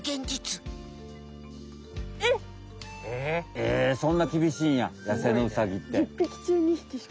えそんなきびしいんや野生のウサギって。